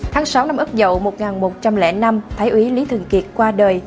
tháng sáu năm ức dậu một nghìn một trăm linh năm thái úy lý thường kiệt qua đời